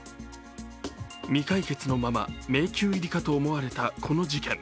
未解決のまま迷宮入りかと思われたこの事件。